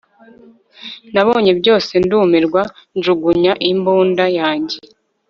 nabonye byose ndumirwa njugunya imbunda yanjye